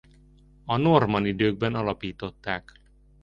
A normann időkben alapították.